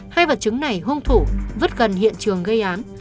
hai vật chứng này hung thủ vứt gần hiện trường gây án